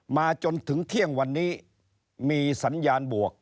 มาจนถึงเที่ยงวันนี้มีสัญญาณบวก